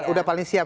udah paling siap